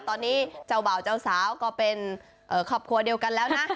ตอนนี้เจ้าบ่าวเจ้าสาวก็เป็นครอบครัวเดียวกันแล้วนะ